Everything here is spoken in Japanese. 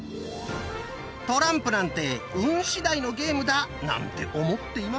トランプなんて運しだいのゲームだなんて思っていませんか？